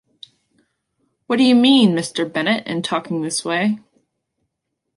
What do you mean, Mr. Bennet, in talking this way?